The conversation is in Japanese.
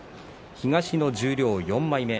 東の十両４枚目。